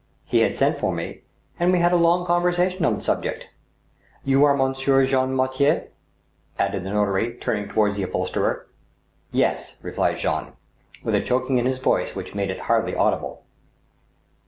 He had sent for me, and we had a long conversation on the subject. — ^You are Monsieur Jean Mortier?" added the notary, turning toward the upholsterer. " Yes," answered Jean, with a choking in his voice which made it hardly audible.